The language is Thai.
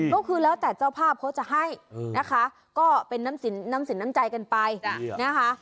ก็คือแล้วแต่เจ้าภาพเขาจะให้นะคะก็เป็นน้ำสินน้ำใจกันไปนะคะ